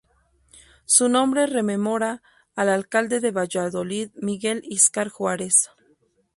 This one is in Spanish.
Su nombre rememora al alcalde de Valladolid Miguel Íscar Juárez.